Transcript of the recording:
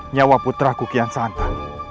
nyawa putraku kian santan